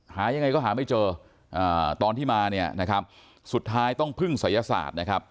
หายังไงก็หาไม่เจอตอนที่มาเนี่ยนะครับสุดท้ายต้องพึ่งศัยศาสตร์นะครับ